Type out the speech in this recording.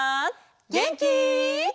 げんき？